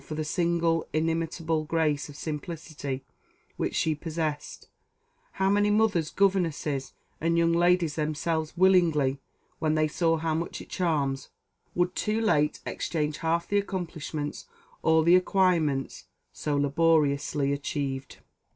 For the single inimitable grace of simplicity which she possessed, how many mothers, governesses, and young ladies themselves, willingly, when they see how much it charms, would too late exchange half the accomplishments, all the acquirements, so laboriously achieved!